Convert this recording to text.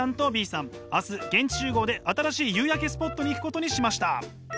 明日現地集合で新しい夕焼けスポットに行くことにしました。